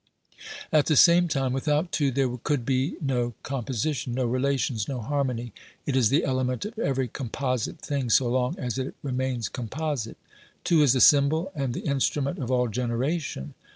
At the same time, without two there could be no com position, no relations, no harmony. It is the element of every composite thing so long as it remains composite. Two is the symbol and the instrument of all generation.